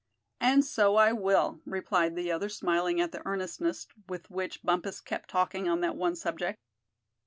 "And so I will," replied the other, smiling at the earnestness with which Bumpus kept talking on that one subject.